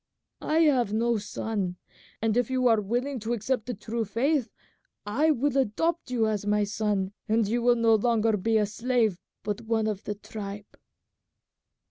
I have no son, and if you are willing to accept the true faith I will adopt you as my son, and you will be no longer a slave but one of the tribe."